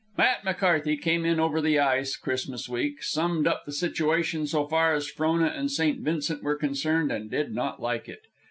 Matt McCarthy came in over the ice Christmas week, summed up the situation so far as Frona and St. Vincent were concerned, and did not like it.